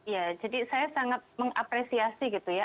ya jadi saya sangat mengapresiasi gitu ya